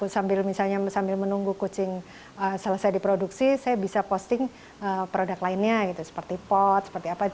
sambil misalnya sambil menunggu kucing selesai diproduksi saya bisa posting produk lainnya gitu seperti pot seperti apa